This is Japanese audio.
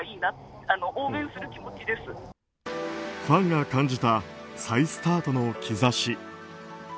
ファンが感じた再スタートの兆し。